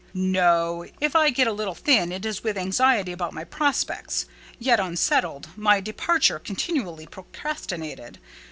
"No. If I get a little thin, it is with anxiety about my prospects, yet unsettled—my departure, continually procrastinated.